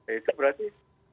itu berarti eh